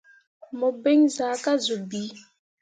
Mu biŋ zaa ka zuu bii.